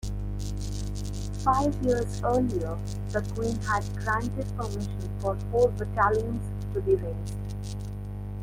Five years earlier the Queen had granted permission for four battalions to be raised.